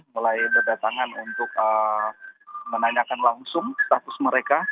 mulai berdatangan untuk menanyakan langsung status mereka